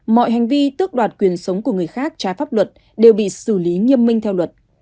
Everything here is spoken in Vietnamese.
mọi hành vi tước đoạt quyền sống của người khác trái pháp luật đều bị xử lý nghiêm minh theo luật